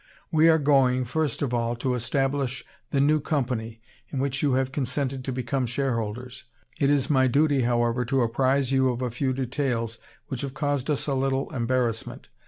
We are going, first of all, to establish the new Company in which you have consented to become shareholders. It is my duty, however, to apprise you of a few details, which have caused us a little embarrassment.